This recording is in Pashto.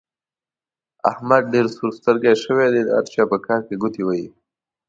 احمد ډېر سور سترګی شوی دی؛ د هر چا په کار کې ګوتې وهي.